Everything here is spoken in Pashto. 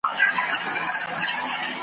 له ټوکرانو څخه جوړه وه رنګینه .